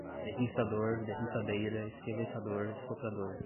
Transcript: derriçador, derriçadeira, esqueletador, soprador